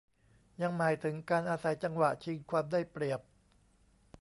ยังหมายถึงการอาศัยจังหวะชิงความได้เปรียบ